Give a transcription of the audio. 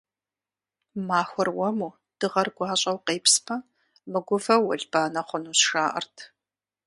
Махуэр уэму дыгъэр гуащӀэу къепсмэ, мыгувэу уэлбанэ хъунущ, жаӀэрт.